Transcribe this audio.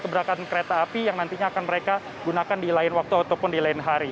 keberangkatan kereta api yang nantinya akan mereka gunakan di lain waktu ataupun di lain hari